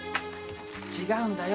違うんだよ。